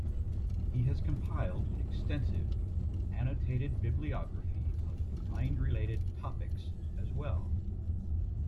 He has compiled an extensive "Annotated Bibliography of Mind-Related" Topics", as well.